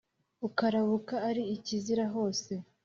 ukarabuka, ari ikizira hose